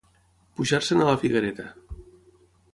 Pujar-se'n a la figuereta.